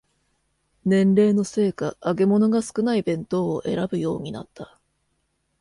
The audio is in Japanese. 年齢のせいか揚げ物が少ない弁当を選ぶようになった